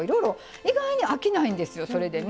意外に飽きないんですよそれでね。